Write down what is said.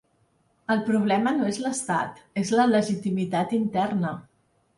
El problema no és l’estat, és la legitimitat interna.